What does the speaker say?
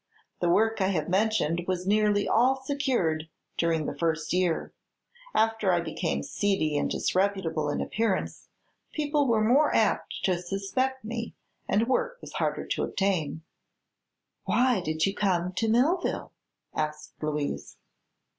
The work I have mentioned was nearly all secured during the first year. After I became seedy and disreputable in appearance people were more apt to suspect me and work was harder to obtain." "Why did you come to Millville?" asked Louise.